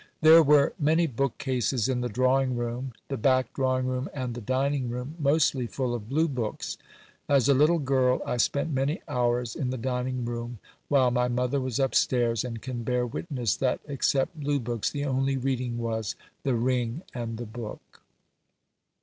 There were many bookcases in the drawing room, the back drawing room, and the dining room, mostly full of Blue books. As a little girl, I spent many hours in the dining room while my mother was upstairs, and can bear witness that except Blue books the only reading was The Ring and the Book."